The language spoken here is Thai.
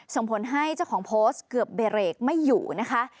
ส่งผลให้เจ้าของโพสต์เกือบเบรกไม่อยู่นะคะ